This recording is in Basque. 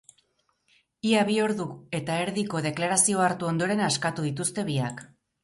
Ia bi ordu eta erdiko deklarazioa hartu ondoren askatu dituzte biak.